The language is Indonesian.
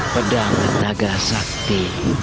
pedang tentaga sakti